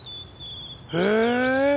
へえ！